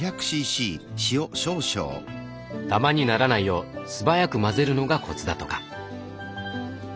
ダマにならないよう素早く混ぜるのがコツだとか。